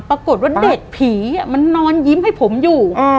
ปรากฏว่าเด็กผีมันนอนยิ้มให้ผมอยู่